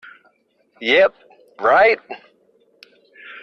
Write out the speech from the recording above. Yep, right!